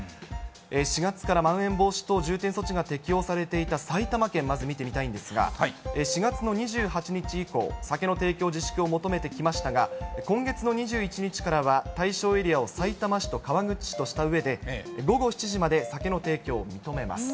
４月からまん延防止等重点措置が適用されていた埼玉県、まず見てみたいんですが、４月の２８日以降、酒の提供自粛を求めてきましたが、今月の２１日からは対象エリアをさいたま市と川口市としたうえで、午後７時まで酒の提供を認めます。